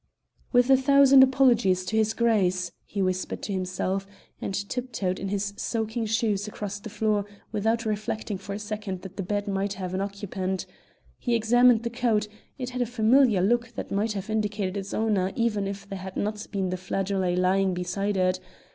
"With a thousand apologies to his Grace," he whispered to himself, and tiptoed in his soaking shoes across the floor without reflecting for a second that the bed might have an occupant. He examined the coat; it had a familiar look that might have indicated its owner even if there had not been the flageolet lying beside it.